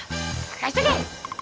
任しとけ！